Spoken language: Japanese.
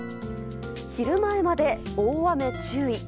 昼前まで大雨注意。